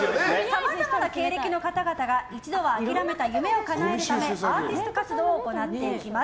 さまざまな経歴の方々が一度は諦めた夢をかなえるためにアーティスト活動を行っています。